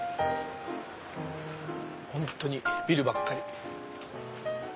本当にビルばっかり。